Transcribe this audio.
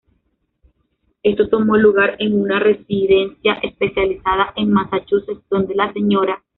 Esto tomó lugar en una residencia especializada en Massachusetts donde la Sra.